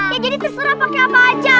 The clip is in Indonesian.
ya jadi terserah pakai apa aja